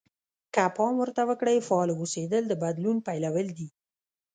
که پام ورته وکړئ فعال اوسېدل د بدلون پيلول دي.